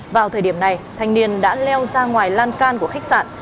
vào thời điểm này thanh niên đã leo ra ngoài lan can của khách sạn